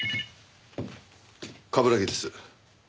冠城です。